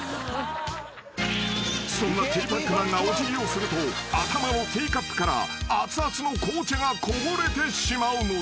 ［そんなティーパックマンがおじぎをすると頭のティーカップからあつあつの紅茶がこぼれてしまうのだ］